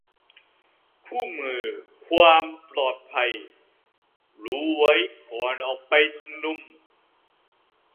คู่มือความปลอดภัย : รู้ไว้ก่อนออกไปชุมนุม